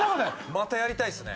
またやりたいですね